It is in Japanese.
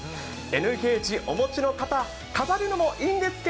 Ｎゲージお持ちの方、飾るのもいいんですけ